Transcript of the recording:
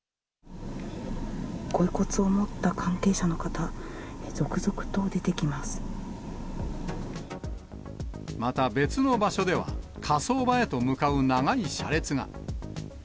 ご遺骨を持った関係者の方、また、別の場所では、火葬場へと向かう長い車列が。